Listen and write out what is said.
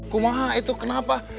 kumaha itu kenapa